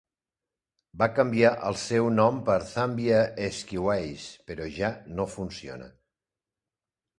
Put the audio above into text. Va canviar el seu nom per Zambia Skyways, però ja no funciona.